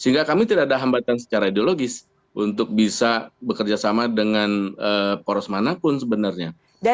sehingga kami tidak ada hambatan secara ideologis untuk bisa bekerja sama dengan poros manapun sebenarnya